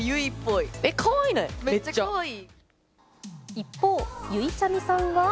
一方、ゆいちゃみさんは？